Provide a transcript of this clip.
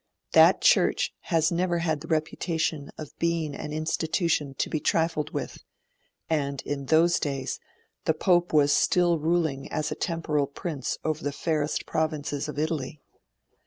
That Church has never had the reputation of being an institution to be trifled with; and, in those days, the Pope was still ruling as a temporal Prince over the fairest provinces of Italy.